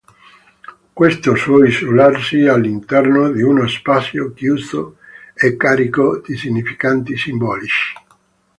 Questo suo isolarsi all'interno di uno spazio chiuso è carico di significati simbolici.